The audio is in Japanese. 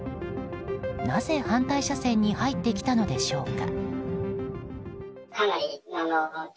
なぜ反対車線に入ってきたのでしょうか。